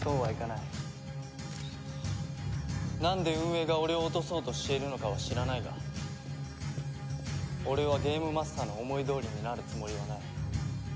なんで運営が俺を落とそうとしているのかは知らないが俺はゲームマスターの思いどおりになるつもりはない。